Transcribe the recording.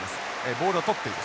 ボールを捕っている。